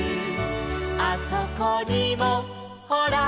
「あそこにもほら」